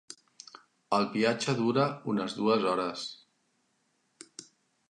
El viatge dura unes dues hores.